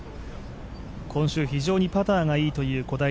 今週、非常にパターがいいという小平。